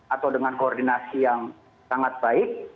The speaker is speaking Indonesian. atau dengan koordinasi yang sangat baik